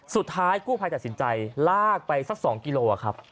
สุดท้ายกู้ภัยตัดสินใจลากไปสัก๒กิโลครับ